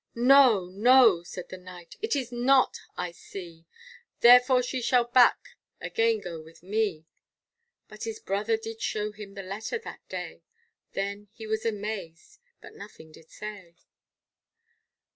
No, no, said the Knight, it is not I see, Therefore she shall back again go with me; But his brother did show him the letter that day, Then he was amazed, but nothing did say.